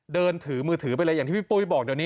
เดินถือมือถือไปเลยอย่างที่พี่ปุ้ยบอกเดี๋ยวนี้